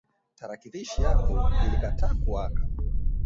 Tarakilishi yake ilikataa kuwaka